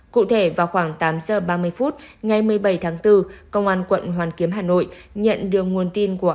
cụ thể vào khoảng tám giờ ba mươi phút ngày một mươi bảy tháng bốn công an quận hoàn kiếm hà nội nhận được nguồn tin của